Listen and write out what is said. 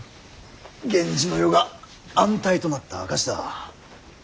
源氏の世が安泰となった証しだ。